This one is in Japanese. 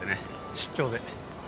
出張で。